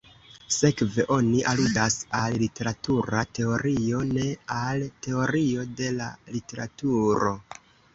Sekve oni aludas al "literatura teorio", ne al "teorio de la literaturo".